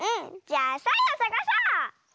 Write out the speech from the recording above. じゃあサイをさがそう！